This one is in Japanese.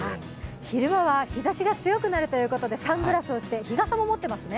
昼は日ざしが強くなるということで、サングラスをして日傘も持ってますね。